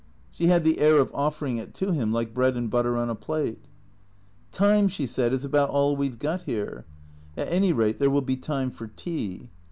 She had the air of offering it to him like bread and butter on a plate. " Time," she said, " is about all we 've got here. At any rate there will be time for tea."